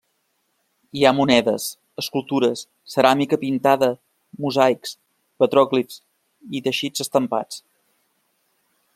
Hi ha monedes, escultures, ceràmica pintada, mosaics, petròglifs i teixits estampats.